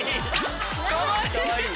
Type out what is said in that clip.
かわいい！